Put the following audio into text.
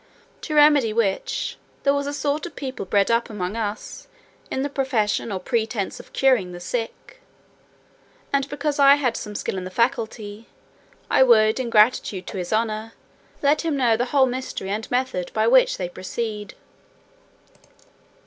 To remedy which, there was a sort of people bred up among us in the profession, or pretence, of curing the sick. And because I had some skill in the faculty, I would, in gratitude to his honour, let him know the whole mystery and method by which they proceed.